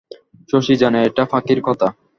শশী জানে এটা ফাঁকির কথা।